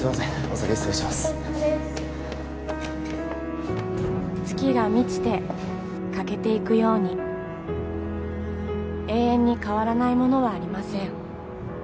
お疲れさまです月が満ちて欠けていくように永遠に変わらないものはありません